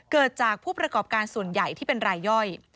เกิดจากผู้ประกอบการส่วนใหญ่ที่เป็นรายย่อย